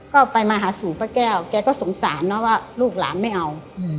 ก็ไปมาหาสู่ป้าแก้วแกก็สงสารเนอะว่าลูกหลานไม่เอา